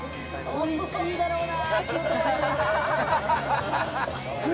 おいしいだろうな。